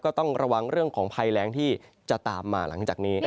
ก็ต้องระวังเรื่องของภัยแรงที่จะตามมาหลังจากนี้